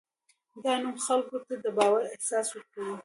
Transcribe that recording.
دا نوم خلکو ته د باور احساس ورکوي.